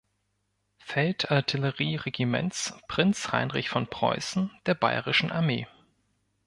Feldartillerie-Regiments „Prinz Heinrich von Preußen“ der Bayerischen Armee.